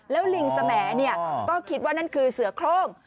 แล้วลิงสแหมดก็คิดว่านั่นคือเสือโครง